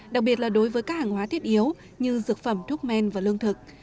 đặc biệt là đối với các hàng hóa thiết yếu như dược phẩm thuốc men và lương thực